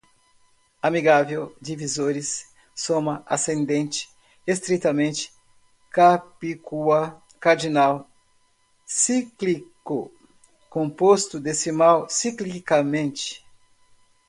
amigável, divisores, soma, ascendente, estritamente, capicua, cardinal, cíclico, composto, decimal, ciclicamente